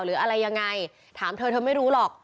หรืออะไรยังไงถามเธอเธอไม่รู้หรอก